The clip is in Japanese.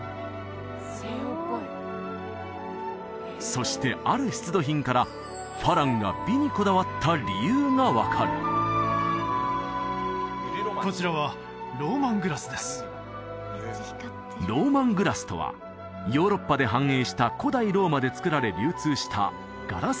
そしてある出土品から花郎が美にこだわった理由が分かるローマングラスとはヨーロッパで繁栄した古代ローマで作られ流通したガラス製品のこと